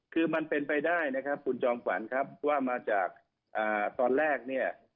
คือมันเป็นไปได้นะครับคุณจอมขวัญครับว่ามาจากตอนแรกเนี่ย